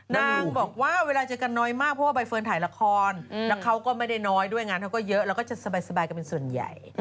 นางบอกว่าเวลาเจอกันน้อยมากเพราะว่าใบเฟิร์นถ่ายละครแล้วเขาก็ไม่ได้น้อยด้วยงานเขาก็เยอะแล้วก็จะสบายกันเป็นส่วนใหญ่